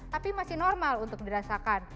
tapi masih normal untuk dirasakan